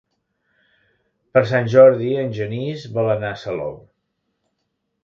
Per Sant Jordi en Genís vol anar a Salou.